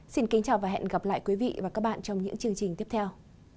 xin kính chào và hẹn gặp lại quý vị và các bạn trong những chương trình tiếp theo